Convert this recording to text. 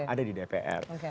ada di dpr